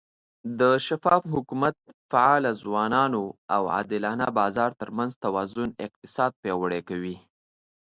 د شفاف حکومت، فعاله ځوانانو، او عادلانه بازار ترمنځ توازن اقتصاد پیاوړی کوي.